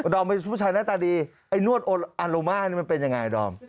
ดอมเป็นผู้ชายหน้าตาดีนวดอารม่านี่มันเป็นอย่างไรดอม